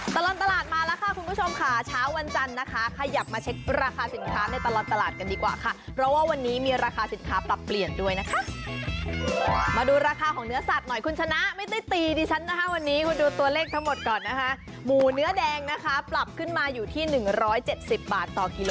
ตลอดตลาดมาแล้วค่ะคุณผู้ชมค่ะเช้าวันจันทร์นะคะขยับมาเช็คราคาสินค้าในตลอดตลาดกันดีกว่าค่ะเพราะว่าวันนี้มีราคาสินค้าปรับเปลี่ยนด้วยนะคะมาดูราคาของเนื้อสัตว์หน่อยคุณชนะไม่ได้ตีดิฉันนะคะวันนี้คุณดูตัวเลขทั้งหมดก่อนนะคะหมูเนื้อแดงนะคะปรับขึ้นมาอยู่ที่๑๗๐บาทต่อกิโล